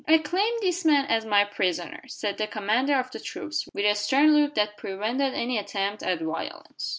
"I claim this man as my prisoner," said the commander of the troops, with a stern look that prevented any attempt at violence.